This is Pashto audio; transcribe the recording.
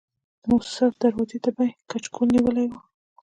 د موسساتو دروازې ته به یې کچکول نیولی و.